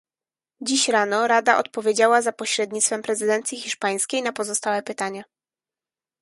Dziś rano Rada odpowiedziała za pośrednictwem prezydencji hiszpańskiej na pozostałe pytania